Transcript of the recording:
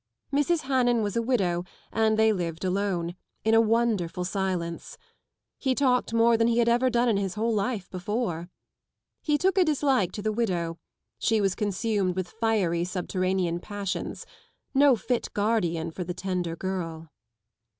Mrs. Hannan was a widow and they lived alone, in a wonderful silence. He talked more than he had ever done in his whole life before. He took a dislike to the widow, she was consumed with fiery subterranean passions, no fit guardian for the tender girl.